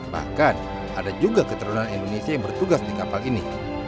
bahkan ada juga keturunan indonesia yang bertugas di kapal ini